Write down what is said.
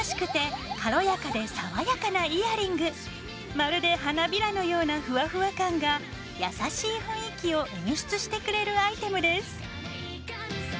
まるで花びらのようなふわふわ感が優しい雰囲気を演出してくれるアイテムです。